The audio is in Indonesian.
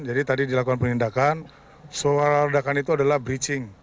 jadi tadi dilakukan penindakan suara ledakan itu adalah breaching